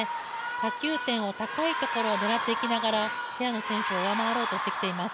打球点、高いところを狙っていきながら、平野選手を上回ろうとしています。